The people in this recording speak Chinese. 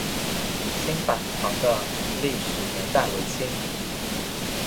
新坂堂的历史年代为清。